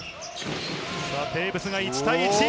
テーブスが１対１。